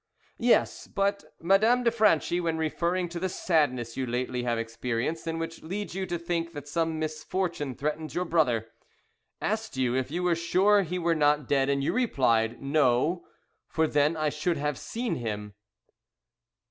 "Yes, but Madame de Franchi, when referring to the sadness you lately have experienced, and which leads you to think that some misfortune threatens your brother, asked you if you were sure he were not dead, and you replied 'No, for then I should have seen him.'"